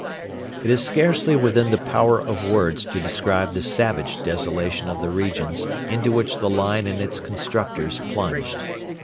It is scarcely within the power of words to describe the savage desolation of the regions into which the line and its constructors plunged.